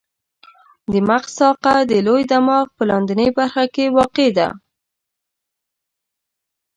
د مغز ساقه د لوی دماغ په لاندنۍ برخه کې واقع ده.